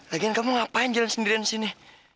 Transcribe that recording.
lagi kan kamu ngapain jalan sendirian disini